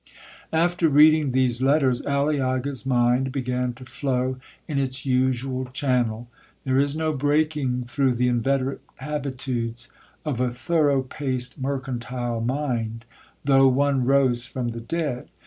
'After reading these letters, Aliaga's mind began to flow in its usual channel. There is no breaking through the inveterate habitudes of a thorough paced mercantile mind, 'though one rose from the dead.'